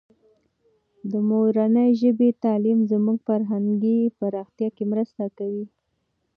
د مورنۍ ژبې تعلیم زموږ فرهنګي پراختیا کې مرسته کوي.